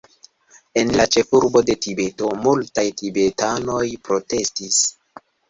En la ĉefurbo de Tibeto, multaj tibetanoj protestis.